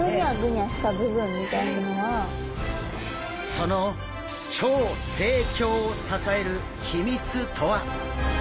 その超成長を支える秘密とは！？